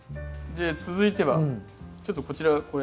続いてはちょっとこちらこれ。